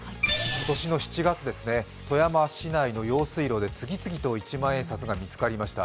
今年の７月、富山市内の用水路で次々と一万円札が見つかりました。